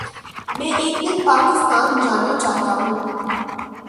میں ایک دن پاکستان جانا چاہتاہوں